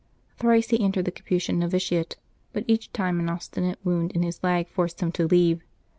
Thrice he entered the Capuchin novitiate, but each time an obstinate wound in his leg forced him to leave.